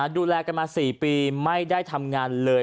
ดูแลกันมา๔ปีไม่ได้ทำงานเลย